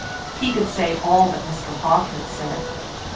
He could say all that Mr Hawke had said.